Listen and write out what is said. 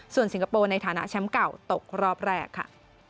ส่วนสิงคโปร์ในฐานะแชมป์เก่าตกรอบแรกค่ะ